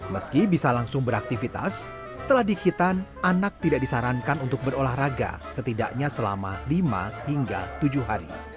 meski bisa langsung beraktivitas setelah dihitan anak tidak disarankan untuk berolahraga setidaknya selama lima hingga tujuh hari